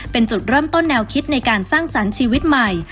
เป็นจุดเริ่มต้นแนวคิดในการสร้างสรรค์ชีวิตใหม่